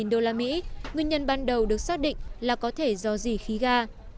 nguyên nhân ban đầu được xác định là có thể do dì khí ga